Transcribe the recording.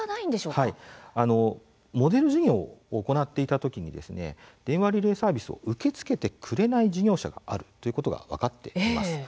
モデル事業を行っていたときに電話リレーサービスを受け付けてくれない事業者があるということが分かっています。